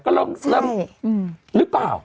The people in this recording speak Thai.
ก็เริ่มหรือเปล่า